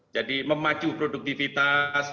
jadi memacu produktivitas